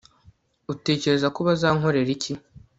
utekereza ko bazankorera iki